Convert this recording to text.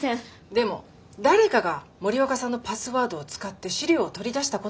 でも誰かが森若さんのパスワードを使って資料を取り出したことは確かです。